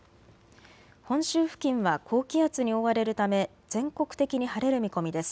本州付近は高気圧に覆われるため全国的に晴れる見込みです。